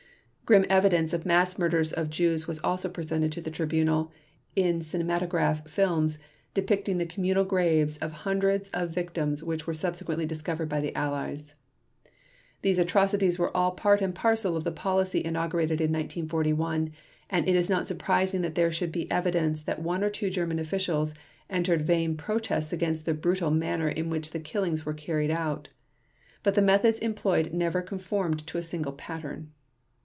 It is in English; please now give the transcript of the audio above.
Grim evidence of mass murders of Jews was also presented to the Tribunal in cinematograph films depicting the communal graves of hundreds of victims which were subsequently discovered by the Allies. These atrocities were all part and parcel of the policy inaugurated in 1941, and it is not surprising that there should be evidence that one or two German officials entered vain protests against the brutal manner in which the killings were carried out. But the methods employed never conformed to a single pattern.